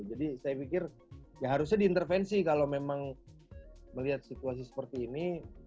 jadi saya pikir ya harusnya diintervensi kalau memang melihat situasi ini